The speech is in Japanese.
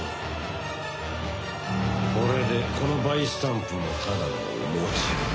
これでこのバイスタンプもただのおもちゃだ。